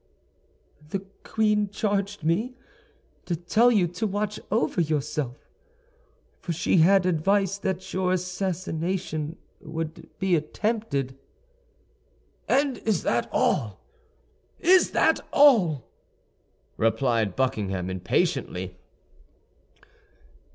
"The queen charged me to tell you to watch over yourself, for she had advice that your assassination would be attempted." "And is that all—is that all?" replied Buckingham, impatiently.